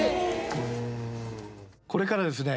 これからですね